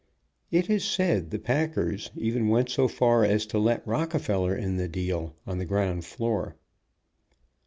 It is said the packers even went so far as to let Rockefeller in the deal, on the ground floor.